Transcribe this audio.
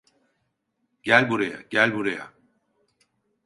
Gel buraya, gel buraya.